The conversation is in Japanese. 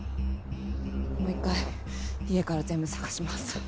もう１回家から全部捜します。